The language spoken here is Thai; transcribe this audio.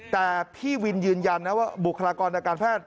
แต่พี่วินยืนยันนะว่าบุคลากรทางการแพทย์